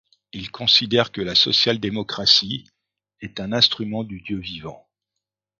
Il considère que la sociale démocratie est un instrument du Dieu vivant.